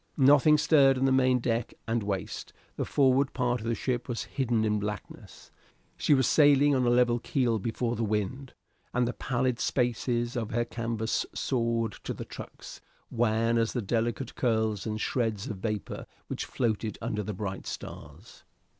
Nothing stirred on the main deck and waist; the forward part of the ship was hidden in blackness. She was sailing on a level keel before the wind, and the pallid spaces of her canvas soared to the trucks, wan as the delicate curls and shreds of vapor which floated under the bright stars.